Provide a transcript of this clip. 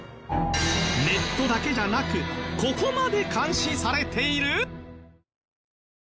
ネットだけじゃなくここまで監視されている！？